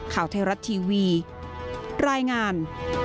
ข่าวไทยรัฐทีวีรายงาน